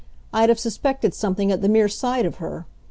I'd have suspected something at the mere sight of her.